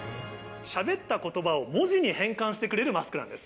しゃべったことばを文字に変換してくれるマスクなんです。